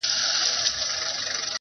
دمينې او رومان ده نه چې سپوره ده ټولنه۔